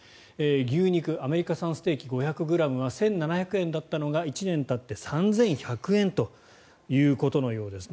牛肉アメリカ産ステーキ５００ｇが１７００円だったのが１年たって３１００円ということのようです。